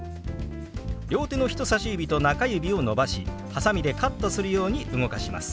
両手の人さし指と中指を伸ばしはさみでカットするように動かします。